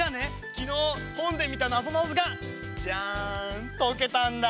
きのうほんでみたなぞなぞがじゃんとけたんだ。